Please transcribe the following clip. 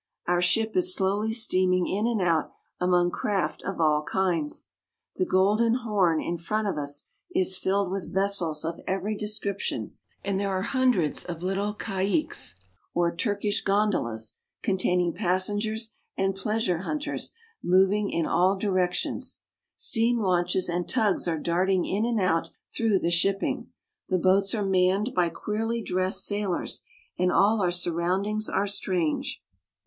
Our ship is slowly steaming in and out among craft of all kinds. The Golden Horn in front of us is filled with vessels of every description, and there are hundreds of little caiques (ka eks'), or Turkish gondolas, containing passengers and pleasure hunters, moving in all directions. Steam launches and tugs are darting in and out through the shipping. The boats are manned by queerly dressed sailors, and' all our surroundings are strange.